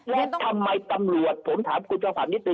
แล้วทำไมตำรวจผมถามคุณเจ้าฟังนิติ